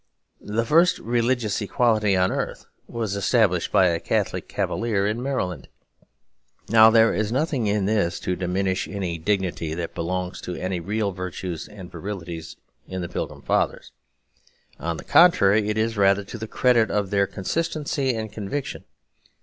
The first religious equality on earth was established by a Catholic cavalier in Maryland. Now there is nothing in this to diminish any dignity that belongs to any real virtues and virilities in the Pilgrim Fathers; on the contrary, it is rather to the credit of their consistency and conviction.